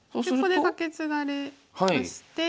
ここでカケツガれまして。